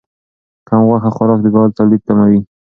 کم غوښه خوراک د ګاز تولید کموي.